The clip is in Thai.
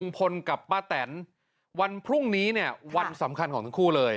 กับป้าแตนวันพรุ่งนี้เนี่ยวันสำคัญของทั้งคู่เลย